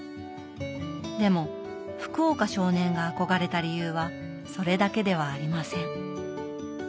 でも福岡少年が憧れた理由はそれだけではありません。